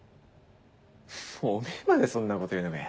おめぇまでそんなこと言うのかよ。